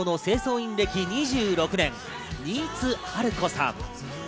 員歴２６年、新津春子さん。